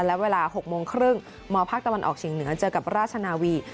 และเวลา๖โมงครึ่งมภาคตะวันออกเฉียงเหนือเจอกับราชนาวี